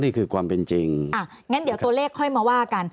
นี่คือความเป็นจริงอ่ะงั้นเดี๋ยวตัวเลขค่อยมาว่ากัน